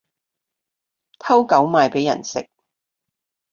偷狗賣畀人食